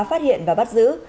phát hiện và bắt giữ